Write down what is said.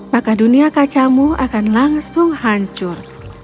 maka dunia kacamu akan langsung hancur